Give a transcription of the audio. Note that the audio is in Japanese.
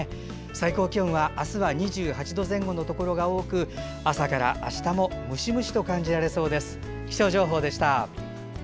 最高気温は明日は２８度前後のところが多く朝からあしたもムシムシと感じられそうです。